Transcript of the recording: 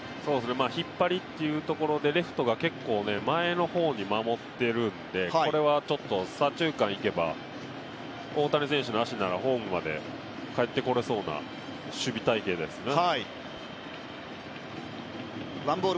引っ張りというところでレフトが前の方を守っているので、これはちょっと左中間いけば大谷選手の足ならホームまで帰ってこれそうな守備隊形ですね。